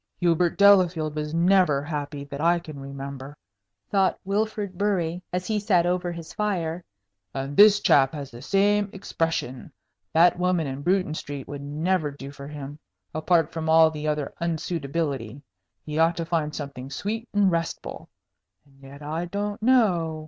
"Hubert Delafield was never happy, that I can remember," thought Wilfrid Bury, as he sat over his fire, "and this chap has the same expression. That woman in Bruton Street would never do for him apart from all the other unsuitability. He ought to find something sweet and restful. And yet I don't know.